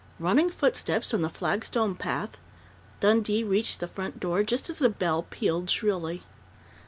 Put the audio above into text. Running footsteps on the flagstone path.... Dundee reached the front door just as the bell pealed shrilly.